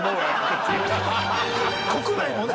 国内もね。